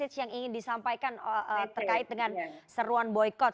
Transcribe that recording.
ada mesej yang ingin disampaikan terkait dengan seruan boycott